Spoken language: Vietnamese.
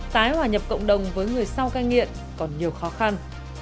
tái hòa nhập cộng đồng với việt nam